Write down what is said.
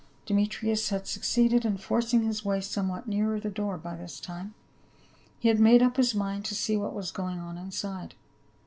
Demetrius had succeeded in forcing his way some what nearer the door by this time ; he had made up his mind to see what was going on inside.